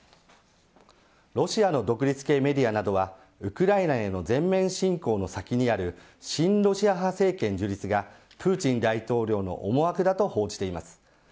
ロシアの独立系メディアなどはウクライナへの全面侵攻の先にある親ロシア派政権樹立がプーチン大統領の思惑だと報じています。